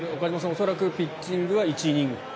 恐らくピッチングは１イニングと。